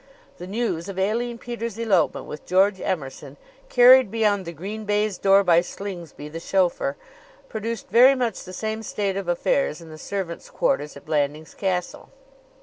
The news of Aline Peters' elopement with George Emerson, carried beyond the green baize door by Slingsby, the chauffeur, produced very much the same state of affairs in the servants' quarters at Blandings Castle.